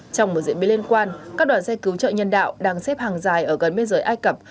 trong một diễn biến liên quan các đoàn xe cứu trợ nhân đạo đang xếp hàng dài ở gần biên giới ai cập